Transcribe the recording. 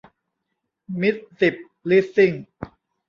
มิตรสิบ ลิสซิ่ง